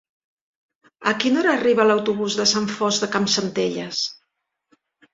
A quina hora arriba l'autobús de Sant Fost de Campsentelles?